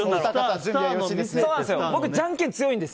僕、じゃんけん強いんです！